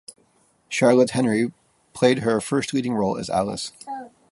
Charlotte Henry played her first leading role as Alice.